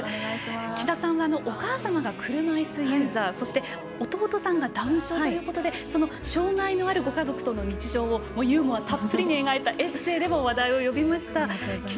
岸田さんはお母様が車いすユーザー、弟さんがダウン症ということで障がいのある日常をユーモアたっぷりに描いたエッセーでも話題を呼びました。